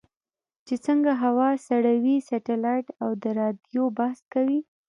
چې څنګه هوا سړوي سټلایټ او د رادیو بحث کوي.